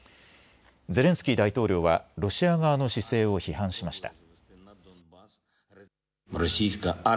ゼレンスキー大統領はロシア側の姿勢を批判しました。